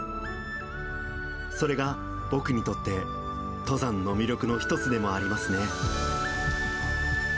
それが僕にとって登山の魅力の一つでもありますね。